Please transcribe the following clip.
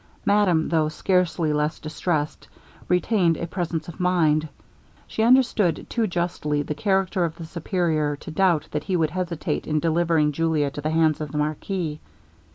Madame, though scarcely less distressed, retained a presence of mind. She understood too justly the character of the Superior to doubt that he would hesitate in delivering Julia to the hands of the marquis.